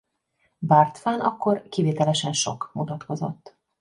Bártfán akkor kivételesen sok mutatkozott.